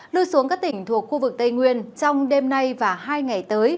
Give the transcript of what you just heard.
lưu xuống các tỉnh thuộc khu vực tây nguyên trong đêm nay và hai ngày tới